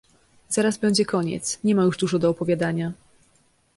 Zaraz będzie koniec… nie ma już dużo do opowiadania.